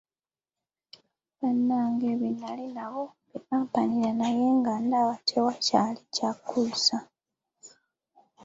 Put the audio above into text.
Bannange be nnali nabo be bampanirira naye nga ndaba tewakyali kya kuzza.